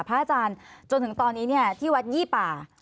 พระอาจารย์จนถึงตอนนี้ที่วัดยี่ป่า